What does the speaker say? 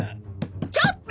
ちょっと！